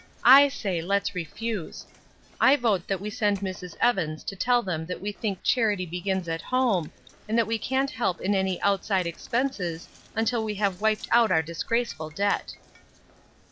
I say, let's refuse. I vote that we send Mrs. Evans to tell them that we think charity begins at home, and that we can't help in any outside expenses until we have wiped out our disgraceful debt."